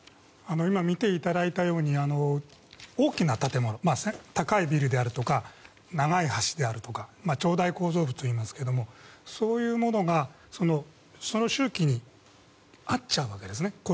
今、見ていただいたように大きな建物高いビルであるとか長い橋であるとか長大構造物といいますけどそういうものがその周期に合っちゃうんですね。